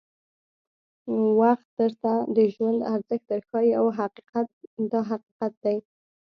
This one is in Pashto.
وخت درته د ژوند ارزښت در ښایي دا حقیقت دی.